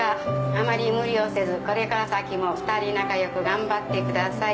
あまり無理をせずこれから先も２人仲良く頑張ってください」